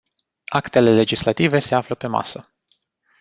Actele legislative se află pe masă.